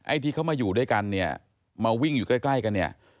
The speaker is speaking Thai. ที่เขามาอยู่ด้วยกันเนี่ยมาวิ่งอยู่ใกล้กันเนี่ย